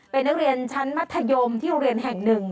เป็นนักเรียนชั้นมัธยมที่โรงเรียนแห่งหนึ่ง